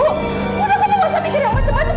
mudah kamu mikir yang macam macam